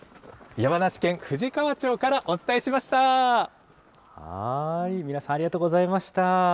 山梨県富士川町からお伝えしまし皆さん、ありがとうございました。